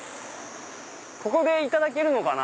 ここでいただけるのかな？